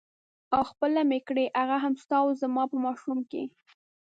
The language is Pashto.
او خپله مې کړې هغه هم ستا او زما په ماشوم کې.